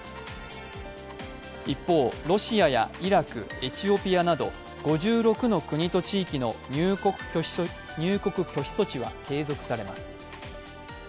一方、ロシアやイラク、エチオピアなど５６の国と地域の入国拒否措置は継続されます。